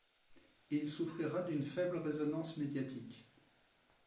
Il souffrira d'une faible résonance médiatique.